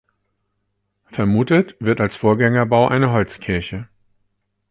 Vermutet wird als Vorgängerbau eine Holzkirche.